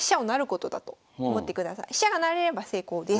飛車が成れれば成功です。